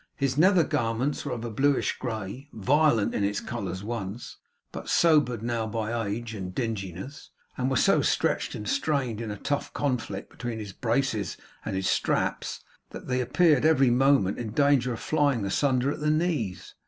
His nether garments were of a bluish grey violent in its colours once, but sobered now by age and dinginess and were so stretched and strained in a tough conflict between his braces and his straps, that they appeared every moment in danger of flying asunder at the knees.